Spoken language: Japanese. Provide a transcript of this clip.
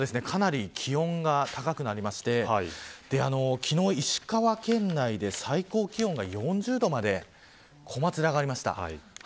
昨日もかなり気温が高くなりまして昨日、石川県内で最高気温が４０度まで小松市で上がりました。